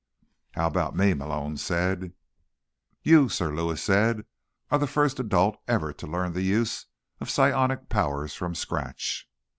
"How about me?" Malone said. "You," Sir Lewis said, "are the first adult ever to learn the use of psionic powers from scratch."